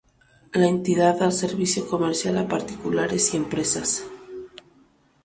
La entidad da servicio comercial a particulares y empresas.